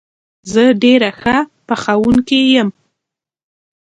زه ډېره ښه پخوونکې یم